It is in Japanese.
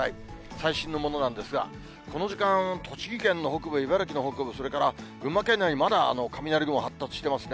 最新のものなんですが、この時間、栃木県の北部、茨城の北部、それから群馬県内にまだ雷雲発達してますね。